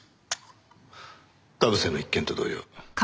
田臥の一件と同様。